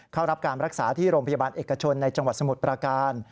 เข้ารับการรักษาที่โรงพยาบาลเอกชนในจังหวัดสมุทรประการ